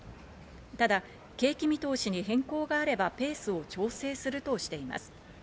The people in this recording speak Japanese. ただ景気見通しに変更があればペースを調整するとしています。